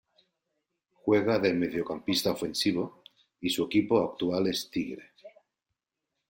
Juega de mediocampista ofensivo y su equipo actual es Tigre.